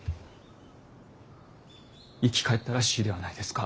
生き返ったらしいではないですか。